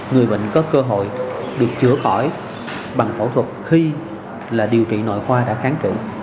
người bệnh có cơ hội được chữa khỏi bằng phẫu thuật khi là điều trị nội khoa đã kháng chuẩn